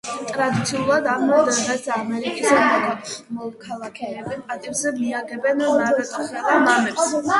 ტრადიციულად ამ დღეს ამერიკის მოქალაქეები პატივს მიაგებენ მარტოხელა მამებს.